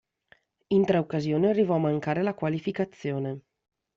In tre occasioni arrivò a mancare la qualificazione.